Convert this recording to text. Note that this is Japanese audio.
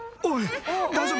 おい。